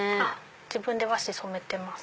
自分で和紙染めてます。